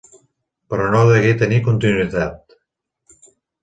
Però no degué tenir continuïtat.